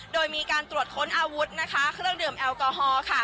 โดยมีการตรวจค้นอาวุธนะคะเครื่องดื่มแอลกอฮอล์ค่ะ